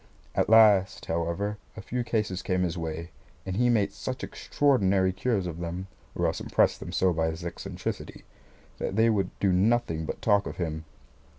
At last, however, a few cases came his way and he made such extraordinary cures of them, or else impressed them so by his eccentricity, that they would do nothing but talk of him.